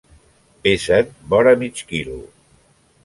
Pesen vora mig quilo.